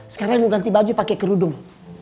sekarang lu ganti baju pakai kerudung